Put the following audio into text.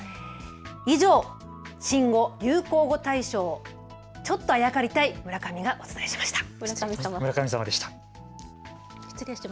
以上、新語・流行語大賞、ちょっとあやかりたい村上がお伝えしました。